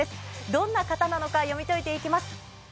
どんな方なのか読み解いていきます。